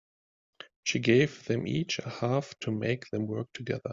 She gave them each a half to make them work together.